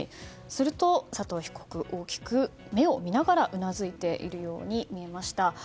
すると、佐藤被告大きく目を見ながらうなずいているように見えました。